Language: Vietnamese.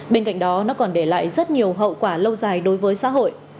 bên cạnh đó nó còn để lại rất nhiều hậu quả lâu dài đối với xã hội